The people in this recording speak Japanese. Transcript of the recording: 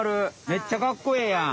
めっちゃかっこええやん。